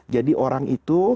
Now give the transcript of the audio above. jadi orang itu